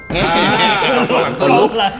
กองหลังตัวลูก